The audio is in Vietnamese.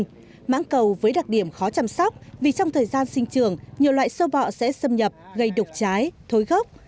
trên mãng cầu với đặc điểm khó chăm sóc vì trong thời gian sinh trường nhiều loại sâu bọ sẽ xâm nhập gây đục trái thối gốc